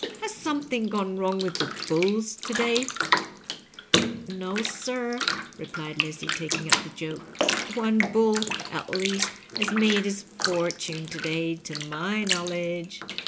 Has something gone wrong with the ' bulls ' to day ?''_ "No, sir," replied Leslie, taking up the joke. "One * bull,' at least, has made his fortune to day, to my knowl edge."